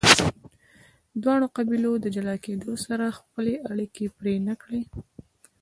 دواړو قبیلو د جلا کیدو سره خپلې اړیکې پرې نه کړې.